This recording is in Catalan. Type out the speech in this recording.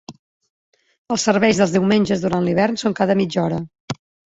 Els serveis dels diumenges durant l'hivern són cada mitja hora.